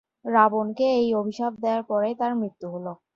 রাবণকে এই অভিশাপ দেওয়ার পরেই তাঁর মৃত্যু হলো।